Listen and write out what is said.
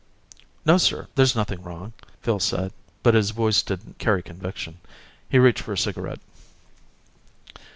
"No, sir. There's nothing wrong," Phil said, but his voice didn't carry conviction. He reached for a cigarette.